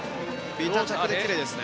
ビタ着できれいですね。